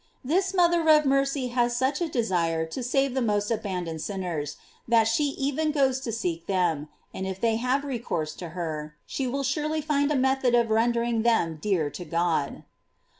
This mother of mercy has such a desire to save the most abandoned sinners, that she even goes to seek them ; and if they have recourse to her, she will surely find a method of rendering them dear to God.